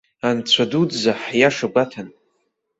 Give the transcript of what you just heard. Анцәа дуӡӡа, ҳиаша гәаҭан.